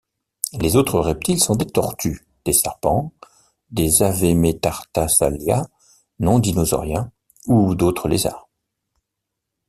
Les autres reptiles sont des tortues, des serpents, des avemetatarsalia non-dinosauriens, ou d'autres lézards.